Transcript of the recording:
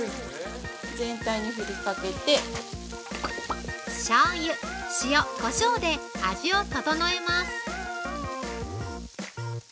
全体に振りかけて◆しょうゆ、塩、こしょうで味を調えます。